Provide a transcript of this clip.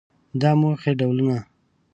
د موخې ډولونه